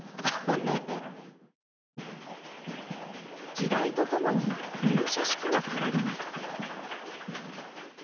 時代とともに入社式も変わります。